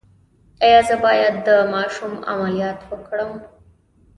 ایا زه باید د ماشوم عملیات وکړم؟